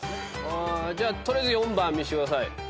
じゃあ取りあえず４番見せてください。